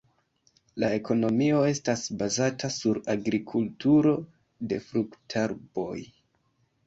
La ekonomio estas bazata sur agrikulturo de fruktarboj.